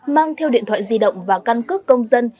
mang theo điện thoại di động và căn cước công dân